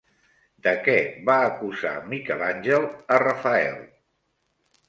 De què va acusar Miquel Àngel a Rafael?